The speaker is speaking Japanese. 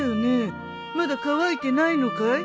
まだ乾いてないのかい？